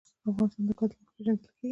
افغانستان د ګاز له مخې پېژندل کېږي.